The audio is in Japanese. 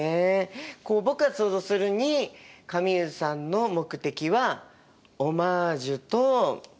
こう僕が想像するにカミーユさんの目的はオマージュと。